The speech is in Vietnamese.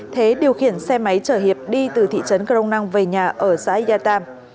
thế điều khiển xe máy chở hiệp đi từ thị trấn crong năng về nhà ở xã yà tam